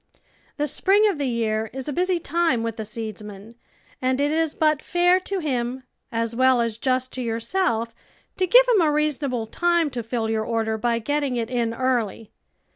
The spring of the year is a busy time with the seedsman, and it is but fair to him, as well as just to yourself, to give hiin a reasonable time to fill your order by getting it in early.